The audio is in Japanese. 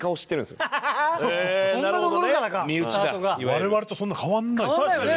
我々とそんな変わんないですね。